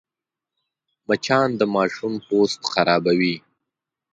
مچان د ماشوم پوست خرابوي